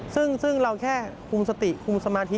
ซึ่งเราแค่คุมสติคุมสมาธิ